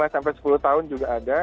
lima sampai sepuluh tahun juga ada